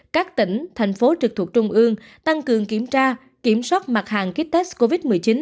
các tỉnh thành phố trực thuộc trung ương tăng cường kiểm tra kiểm soát mặt hàng kit test covid một mươi chín